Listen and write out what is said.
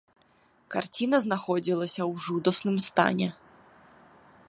Карціна знаходзілася ў жудасным стане.